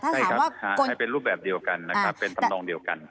ใช่ครับให้เป็นรูปแบบเดียวกันเป็นทำนองเดียวกัน